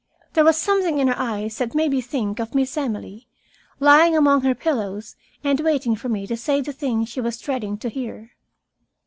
There was something in her eyes that made me think of Miss Emily, lying among her pillows and waiting for me to say the thing she was dreading to hear.